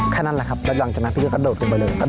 แค่นั้นแหละครับแล้วหลังจากนั้นพี่ยุทธก็โดดลงไปเลย